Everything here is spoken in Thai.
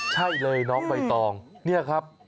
ใช่เลยน้องใบตองนี่ครับ